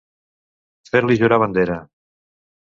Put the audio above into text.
Fer-li jurar bandera.